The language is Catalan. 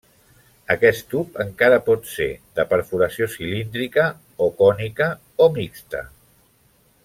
Aquest tub, encara, pot ser de perforació cilíndrica, o cònica, o mixta.